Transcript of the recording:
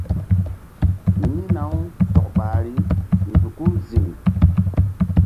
Yi̧hna-u sɔk ɓahri nzuku ziŋ.